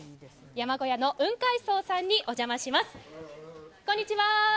山小屋の雲海荘さんにお邪魔します。